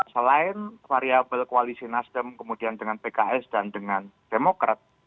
selain variable koalisi nasdem kemudian dengan pks dan dengan demokrat